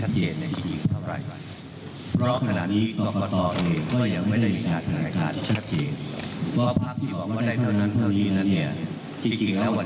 จริงแล้ววันนี้ได้ทำไมเพราะตัวได้เปลี่ยนทุกวัน